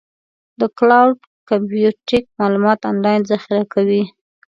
د کلاؤډ کمپیوټینګ معلومات آنلاین ذخیره کوي.